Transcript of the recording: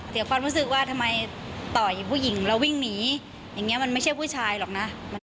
ความรู้สึกว่าทำไมต่อยผู้หญิงแล้ววิ่งหนีอย่างนี้มันไม่ใช่ผู้ชายหรอกนะ